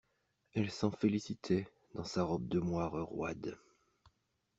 Elle s'en félicitait dans sa robe de moire roide.